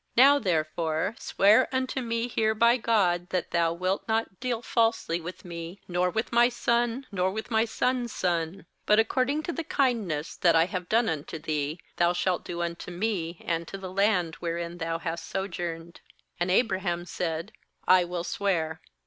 ^Now therefore swear unto me here by God that thou wilt not deal falsely with me, nor with my son, nor with my son's son; but ac cording to the kindness that I have done unto thee, thou shalt do unto me, and to the land wherein thou hast sojourned.' ^And Abraham said: 'I will swear.'